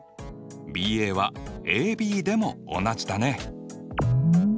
ＢＡはＡＢでも同じだね。